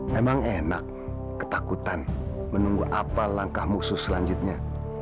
memang enak ketakutan menunggu apa langkah musuh selanjutnya